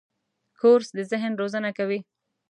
کورس د ذهن روزنه کوي.